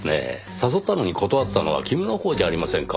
誘ったのに断ったのは君のほうじゃありませんか。